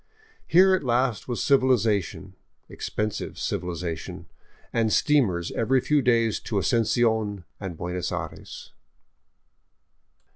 Here at last was civilization, — expensive civilization — and steamers every few days to Asuncion and Buenos Aires.